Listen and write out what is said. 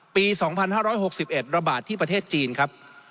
ปี๒๕๖๑ระบาดที่ประเทศจีนครับ